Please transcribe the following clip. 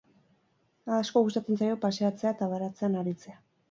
Asko gustatzen zaio paseatzea eta baratzean aritzea.